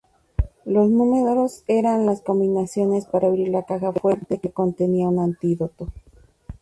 Los números eran las combinaciones para abrir la caja fuerte que contenía un antídoto.